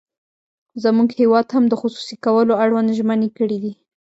زموږ هېواد هم د خصوصي کولو اړوند ژمنې کړې دي.